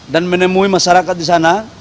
dan menemui masyarakat di sana